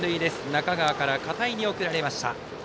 中川から片井に送られました。